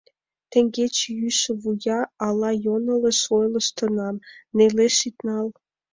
Теҥгече йӱшӧ вуя ала йоҥылыш ойлыштынам, нелеш ит нал...